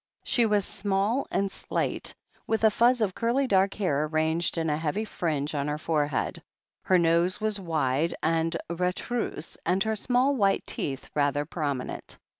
She was small and slight, with a fuzz of curly dark hair arranged in a heavy fringe on her forehead; her nose was wide and retroussS, and her small white teeth rather prominent.